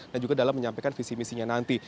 dan juga dalam menyampaikan visi misinya nanti